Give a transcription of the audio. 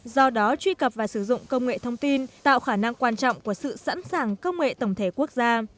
do đó truy cập và sử dụng công nghệ thông tin tạo khả năng quan trọng của sự sẵn sàng công nghệ tổng thể quốc gia